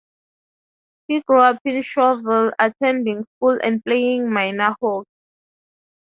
He grew up in Shawville, attending school and playing minor hockey.